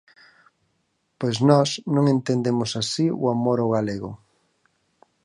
Pois nós non entendemos así o amor ao galego.